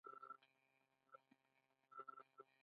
ایا جنګ نه کوي؟